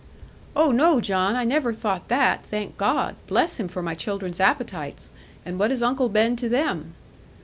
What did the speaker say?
'Oh no, John, I never thought that, thank God! Bless Him for my children's appetites; and what is Uncle Ben to them?'